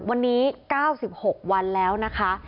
วันนี้๙๖วันแล้วนะคะ